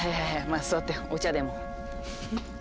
まあ座ってお茶でも。